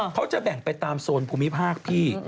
เขาจะแบ่งไปตามโซนภูมิภาคพี่